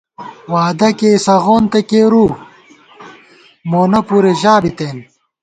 وعدہ کېئ سغون تہ کیرُؤ مونہ پُرے ژا بِتېن